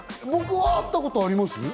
僕は会ったことあります？